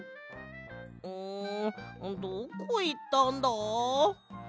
んどこいったんだ？